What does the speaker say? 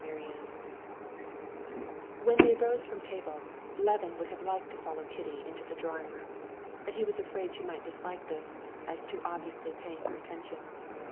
Chapter 13 When they rose from table, Levin would have liked to follow Kitty into the drawing room; but he was afraid she might dislike this, as too obviously paying her attention.